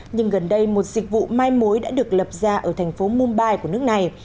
nhưng gần đây một dịch vụ mai mối đã được lập ra ở thành phố mumbai của nước này